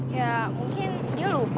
ya mungkin dia lupa